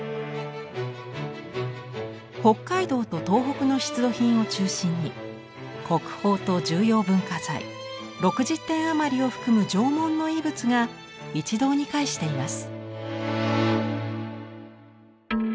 北海道と東北の出土品を中心に国宝と重要文化財６０点余りを含む縄文の遺物が一堂に会しています。